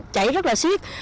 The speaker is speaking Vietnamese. chảy rất là siết